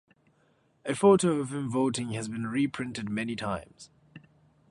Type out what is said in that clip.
A photo of him voting has been reprinted many times.